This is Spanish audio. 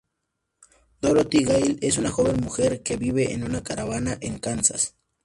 Dorothy Gale es una joven mujer que vive en una caravana en Kansas.